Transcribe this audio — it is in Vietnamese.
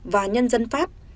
và nhân dân pháp